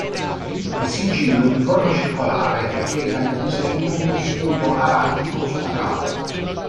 Il sigillo è di forma circolare e reca nel disegno uno scudo araldico squadrato.